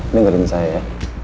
dengerin saya ya